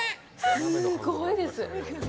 すごいです。